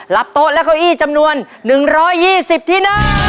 หลับโต๊ะและเก้าอี้จำนวน๑๒๐ที่๑